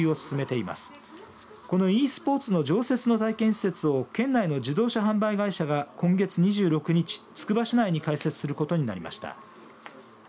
そのｅスポーツの常設の体験施設を県内の自動車販売会社が今月２６日、つくば市内に開設することになりました。